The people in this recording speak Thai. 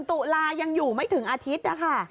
ตุลายังอยู่ไม่ถึงอาทิตย์นะคะ